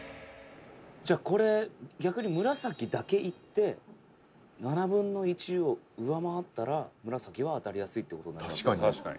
「じゃあこれ逆に紫だけいって７分の１を上回ったら紫は当たりやすいっていう事になりますよね」